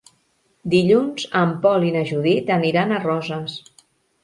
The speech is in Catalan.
Dilluns en Pol i na Judit aniran a Roses.